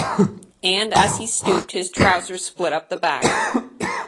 And, as he stooped, his trousers split up the back.